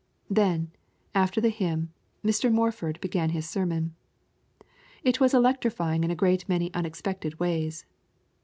Then, after the hymn, Mr. Morford began his sermon. It was electrifying in a great many unexpected ways.